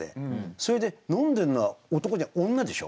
それで飲んでんのは男じゃない女でしょ。